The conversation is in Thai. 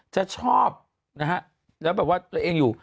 จะชอบนะฮะแล้วแบบว่าตัวเองอยู่